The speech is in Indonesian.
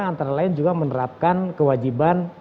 antara lain juga menerapkan kewajiban